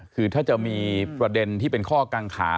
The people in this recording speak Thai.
คือถ้าจะมีประเด็นที่เป็นข้อกังขา